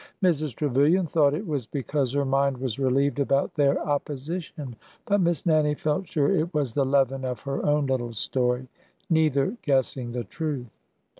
Mrs. Trevilian thought it was because her mind was relieved about their opposition, but Miss Nannie felt sure it was the leaven of her own little story, — neither guessing the truth.